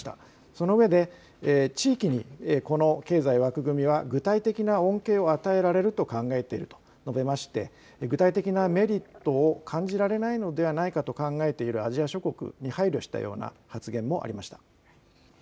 そのうえで、地域にこの経済枠組みは具体的な恩恵を与えられると考えていると述べまして具体的なメリットを感じられないのではないかと考えているアジア諸国に配慮したような発言もありました。